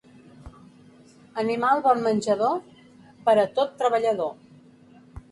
Animal bon menjador, per a tot treballador.